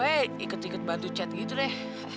ada yang ikut ikut bantu chat gitu deh